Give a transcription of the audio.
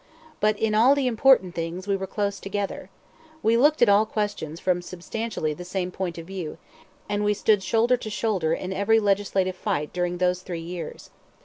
But in all the important things we were close together. We looked at all questions from substantially the same view point, and we stood shoulder to shoulder in every legislative fight during those three years.